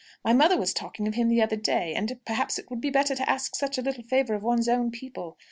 My mother was talking of him the other day, and, perhaps, it would be better to ask such a little favour of one's own people.